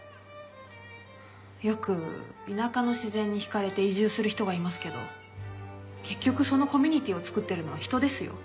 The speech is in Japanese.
よく田舎の自然に引かれて移住する人がいますけど結局そのコミュニティーを作ってるのは人ですよ。